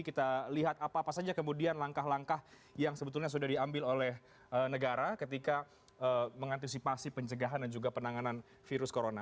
kita lihat apa apa saja kemudian langkah langkah yang sebetulnya sudah diambil oleh negara ketika mengantisipasi pencegahan dan juga penanganan virus corona